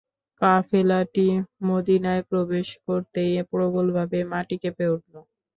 কাফেলাটি মদীনায় প্রবেশ করতেই প্রবলভাবে মাটি কেঁপে উঠল।